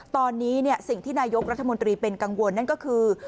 ตอนนี้สิ่งที่นายกรัฐมนตรีเป็นกังวลนั่นก็คือ